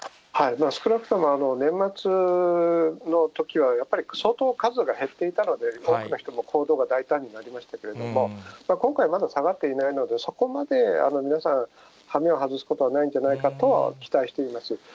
少なくとも年末のときは、やっぱり相当数が減っていたので、多くの人も行動が大胆になりましたけれども、今回、まだ下がっていないので、そこまで皆さん、はめをはずすことはないんじゃないかとは期待しています。